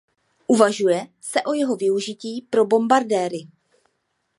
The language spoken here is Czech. Uvažuje se o jeho využití pro bombardéry.